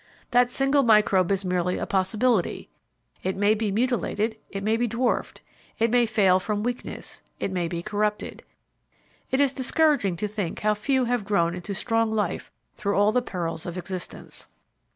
That single microbe is merely a possibility. It may be mutilated, it may be dwarfed, it may fail from weakness, it may be corrupted. It is discouraging to think how few have grown into strong life through all the perils of existence.